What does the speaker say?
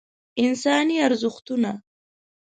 انساني ارزښتونه